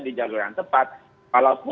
di jalur yang tepat walaupun